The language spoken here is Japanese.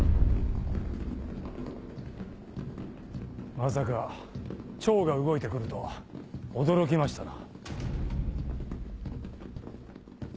まさか趙が動いてくるとは驚きましたな。